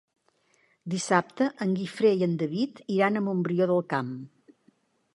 Dissabte en Guifré i en David iran a Montbrió del Camp.